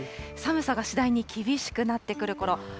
寒さが次第に厳しくなってくるころ。